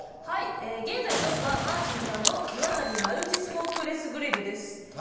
はい現在トップはマーティンさんのイワタニマルチスモークレスグリルです。